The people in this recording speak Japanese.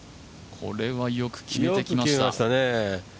これはよく決めました。